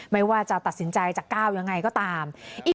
ไม่ว่าจะตัดสินใจจะก้าวยังไงก็ตาม